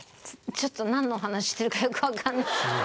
ちょっとなんの話してるかよくわかんない。